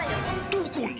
どこに？